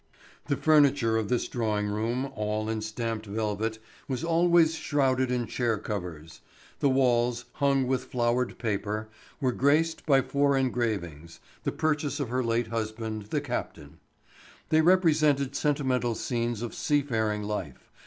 The furniture of this drawing room, all in stamped velvet, was always shrouded in chair covers. The walls, hung with flowered paper, were graced by four engravings, the purchase of her late husband, the captain. They represented sentimental scenes of seafaring life.